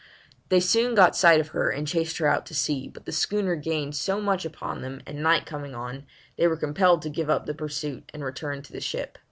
They soon got sight of her and chased her out to sea, but the schooner gained so much upon them, and night coming on, they were compelled to give up the pursuit and return to the ship.